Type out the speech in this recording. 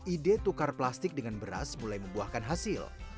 ide tukar plastik dengan beras mulai membuahkan hasil